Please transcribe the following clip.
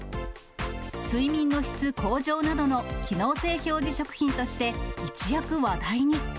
睡眠の質向上などの機能性表示食品として、一躍話題に。